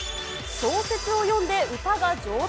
小説を読んで歌が上達？